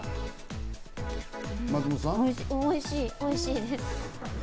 おいしい、おいしいです。